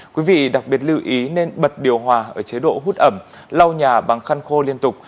quý vị đặc biệt lưu ý nên bật điều hòa ở chế độ hút ẩm lau nhà bằng khăn khô liên tục